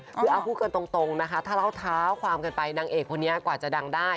คือเอาพูดกันตรงนะคะถ้าเราเท้าความกันไปนางเอกคนนี้กว่าจะดังได้